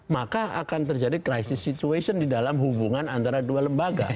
maka akan terjadi crisis situation di dalam hubungan antara dua lembaga